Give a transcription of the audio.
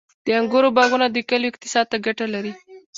• د انګورو باغونه د کلیو اقتصاد ته ګټه لري.